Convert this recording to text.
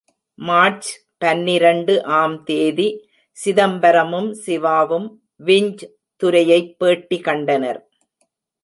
March பனிரண்டு ஆம் தேதி சிதம்பரமும் சிவாவும் விஞ்ச் துரையைப் பேட்டி கண்டனர்.